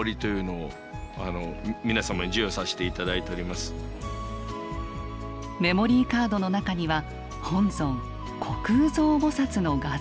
手前どもではメモリーカードの中には本尊・虚空蔵菩の画像。